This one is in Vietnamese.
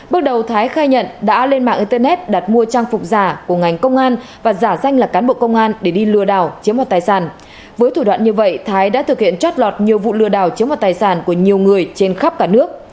bước đầu thái khai nhận đã lên mạng internet đặt mua trang phục giả của ngành công an và giả danh là cán bộ công an để đi lừa đảo chiếm đoạt tài sản với thủ đoạn như vậy thái đã thực hiện trót lọt nhiều vụ lừa đảo chiếm hoạt tài sản của nhiều người trên khắp cả nước